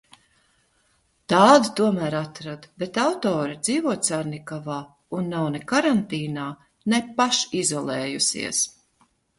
Tādu tomēr atradu, bet autore dzīvo Carnikavā un nav ne karantīnā, ne pašizolējusies.